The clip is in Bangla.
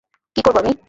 কী করব আমি?